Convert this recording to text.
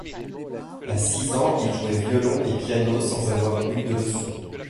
À six ans il jouait violon et piano sans avoir eu de leçons.